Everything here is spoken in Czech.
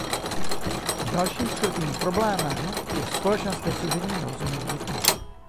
Dalším skrytým problémem je společenské složení narozených dětí.